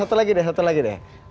satu lagi deh satu lagi deh